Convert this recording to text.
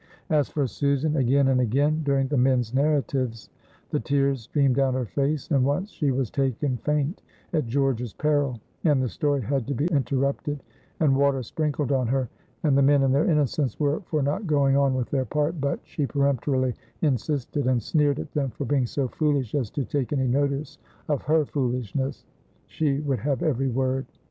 As for Susan, again and again during the men's narratives the tears streamed down her face, and once she was taken faint at George's peril, and the story had to be interrupted and water sprinkled on her, and the men in their innocence were for not going on with their part, but she peremptorily insisted, and sneered at them for being so foolish as to take any notice of her foolishness she would have every word.